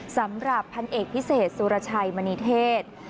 สำหรับพันเอกพิเศษสุรชัยมณีเทศ